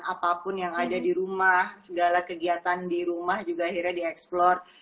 apapun yang ada di rumah segala kegiatan di rumah juga akhirnya dieksplor